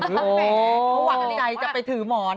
เพราะหวังใจจะไปถือหมอน